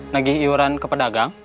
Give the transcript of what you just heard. lagi iuran ke pedagang